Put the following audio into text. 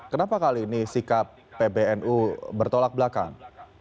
kenapa kali ini sikap pbnu bertolak belakang